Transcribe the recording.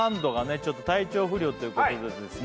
ちょっと体調不良ということでですね